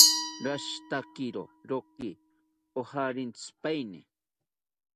Rashitakiro roki ojarentsipaeni